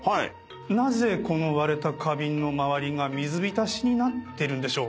なぜこの割れた花瓶の周りが水浸しになってるんでしょう？